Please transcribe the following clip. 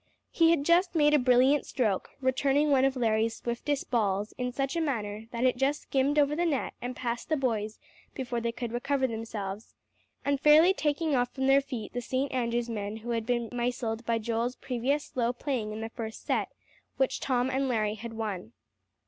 He had just made a brilliant stroke, returning one of Larry's swiftest balls in such a manner that it just skimmed over the net and passed the boys before they could recover themselves, and fairly taking off from their feet the St. Andrew's men who had been misled by Joel's previous slow playing in the first set, which Tom and Larry had won.